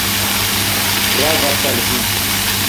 Gravas al vi.